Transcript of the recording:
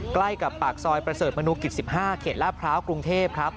ใกล้กับปากซอยประเสริฐมนุกิจ๑๕เขตลาดพร้าวกรุงเทพครับ